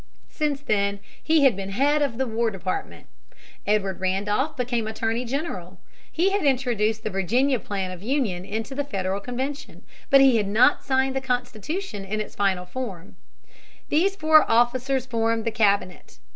Since then he had been head of the War Department. Edward Randolph became Attorney General. He had introduced the Virginia plan of union into the Federal Convention. But he had not signed the Constitution in its final form. These four officers formed the Cabinet.